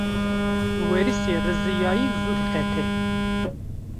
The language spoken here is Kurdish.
Werîsê riziyayî zû diqete.